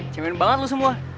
cemen banget lu semua